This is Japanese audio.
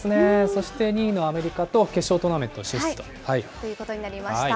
そして２位のアメリカと決勝トーナメント進出と。ということになりました。